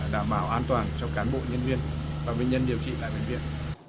đảm bảo an toàn cho cán bộ nhân viên và bệnh nhân điều trị tại bệnh viện